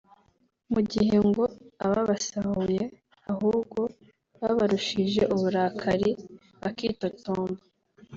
mu gihe ngo ababasahuye ahubwo babarushije uburakari bakitotomba